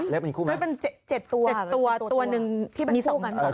เล็บเป็นคู่ไหมครับ๗ตัวตัวหนึ่งมี๒กันเหรอ